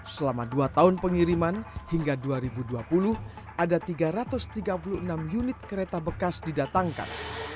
selama dua tahun pengiriman hingga dua ribu dua puluh ada tiga ratus tiga puluh enam unit kereta bekas didatangkan